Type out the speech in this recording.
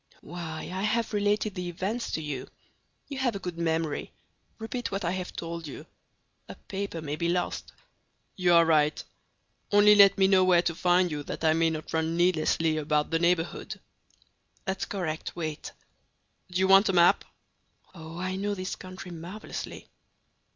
"Why, I have related the events to you. You have a good memory; repeat what I have told you. A paper may be lost." "You are right; only let me know where to find you that I may not run needlessly about the neighborhood." "That's correct; wait!" "Do you want a map?" "Oh, I know this country marvelously!"